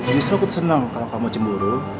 justru aku senang kalau kamu cemburu